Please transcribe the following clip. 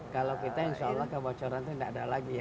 kalau kita insya allah kebocoran itu tidak ada lagi ya